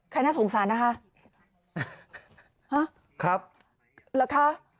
ครับหรือคะ